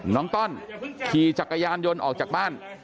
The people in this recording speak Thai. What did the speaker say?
ต้อนขี่จักรยานยนต์ออกจากบ้าน